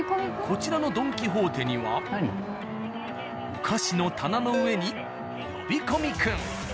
こちらの「ドン・キホーテ」にはお菓子の棚の上に呼び込み君。